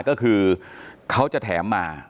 ก็คือเขาจะแถมมา